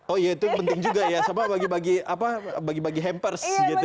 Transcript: oh iya itu penting juga ya sama bagi bagi hampers gitu